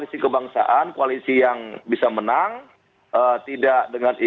oke masih panjang permainan